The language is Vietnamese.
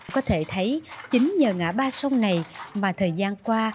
có thể thấy chính nhờ ngã ba sông này mà thời gian qua